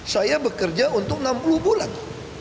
saya bekerja untuk enam puluh bulan